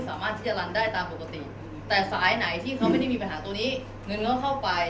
มันไม่เกี่ยวกับวันที่ห้าวันที่สิบสองวันที่สุดท้ายวันที่สุดท้าย